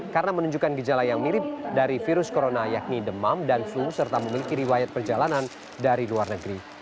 karena menunjukkan gejala yang mirip dari virus corona yakni demam dan flu serta memiliki riwayat perjalanan dari luar negeri